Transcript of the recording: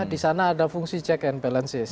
di sana ada fungsi check and balances